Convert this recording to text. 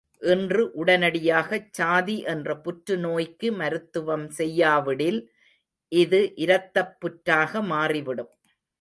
இன்று உடனடியாகச் சாதி என்ற புற்றுநோய்க்கு மருத்துவம் செய்யாவிடில் இது இரத்தப் புற்றாக மாறிவிடும்!